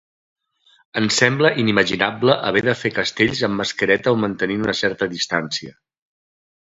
Ens sembla inimaginable haver de fer castells amb mascareta o mantenint una certa distància.